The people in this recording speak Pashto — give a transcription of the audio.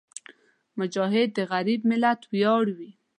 مجاهد د غریب ملت ویاړ وي.